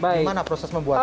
bagaimana proses membuatnya